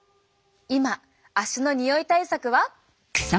今足のにおい対策は。